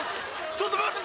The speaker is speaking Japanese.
ちょっと待って。